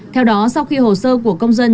theo đó sau khi hồ sơ của công dân